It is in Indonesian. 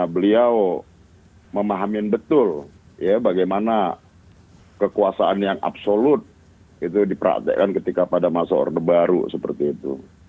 beliau memahamin betul ya bagaimana kekuasaan yang absolut itu dipraktekkan ketika pada masa orde baru seperti itu